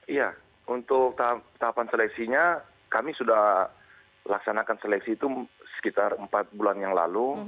iya untuk tahapan seleksinya kami sudah laksanakan seleksi itu sekitar empat bulan yang lalu